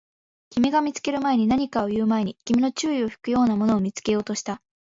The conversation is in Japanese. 君が見つける前に、何かを言う前に、君の注意を引くようなものを見つけようとした